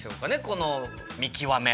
この見極め。